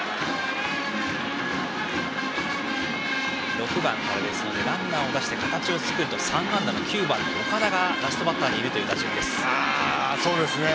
６番ですので、ランナーを出して形を作ると３安打の９番、岡田がラストバッターにいるという打順。